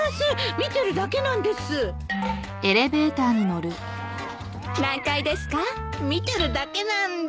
見てるだけなんで。